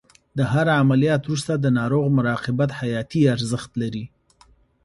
د هر عملیات وروسته د ناروغ مراقبت حیاتي ارزښت لري.